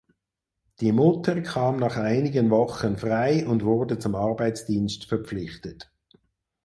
Die Mutter kam nach einigen Wochen frei und wurde zum Arbeitsdienst verpflichtet.